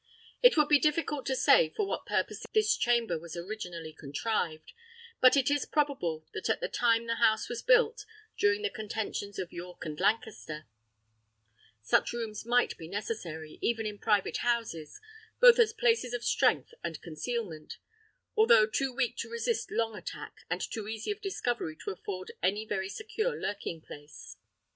It would be difficult to say for what purpose this chamber was originally contrived; but it is probable that at the time the house was built (during the contentions of York and Lancaster), such rooms might be necessary, even in private houses, both as places of strength and concealment, although too weak to resist long attack, and too easy of discovery to afford any very secure lurking place.